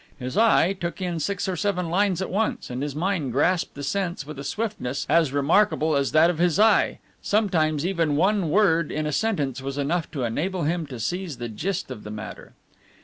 His eye took in six or seven lines at once, and his mind grasped the sense with a swiftness as remarkable as that of his eye; sometimes even one word in a sentence was enough to enable him to seize the gist of the matter.